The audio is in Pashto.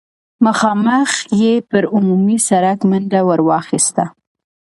مخامخ يې پر عمومي سړک منډه ور واخيسته.